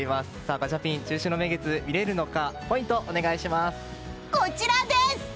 ガチャピン中秋の名月、見れるのかポイントお願いします。